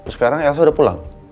sekarang elsa udah pulang